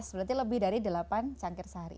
berarti lebih dari delapan cangkir sehari